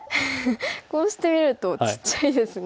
こうしてみるとちっちゃいですね白。